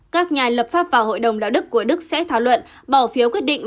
các nhà lập pháp và hội đồng đạo đức của đức sẽ thảo luận bỏ phiếu quyết định